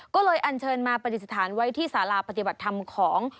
ก็เลยอันเชิญมาปฏิสถานไว้ที่สาราปฏิบัติธรรมของ